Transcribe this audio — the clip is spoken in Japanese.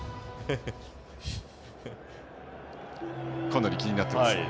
かなり気になっていますね。